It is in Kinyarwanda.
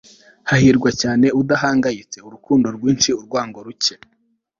hahirwa cyane, udahangayitse. urukundo rwinshi, urwango ruke